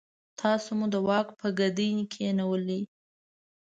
تاسو مو د واک په ګدۍ کېنولئ.